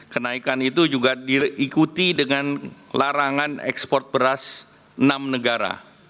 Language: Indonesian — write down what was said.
kenaikan itu juga diikuti dengan larangan ekspor beras enam negara